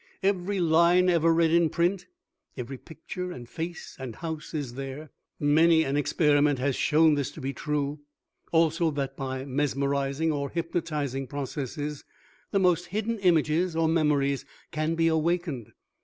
Every line ever read in print, every picture and face and house is there. Many an experiment has shown this to be true; also that by mesmerizing or hypnotizing processes the most hidden images or memories can be awakened.